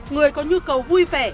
người có nhu cầu vui vẻ